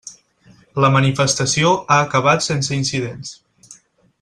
La manifestació ha acabat sense incidents.